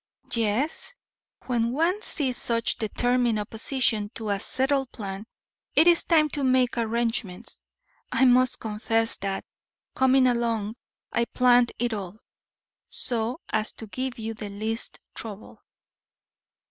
"Yes, when one sees such determined opposition to a settled plan, it is time to make arrangements. I must confess that, coming along, I planned it all, so as to give you the least trouble."